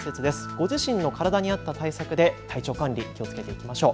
ご自身の体に合った対策で体調管理気をつけていきましょう。